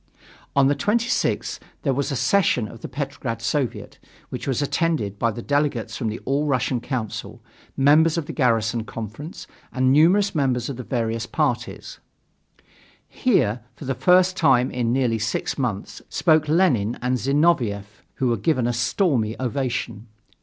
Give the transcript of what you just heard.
On the 26th there was a session of the Petrograd Soviet, which was attended by delegates from the All Russian Council, members of the Garrison Conference, and numerous members of various parties. Here, for the first time in nearly six months, spoke Lenin and Zinoviev, who were given a stormy ovation.